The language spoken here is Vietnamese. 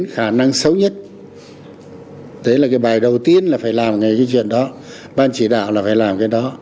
khả năng xấu nhất đấy là cái bài đầu tiên là phải làm ngay cái chuyện đó ban chỉ đạo là phải làm cái đó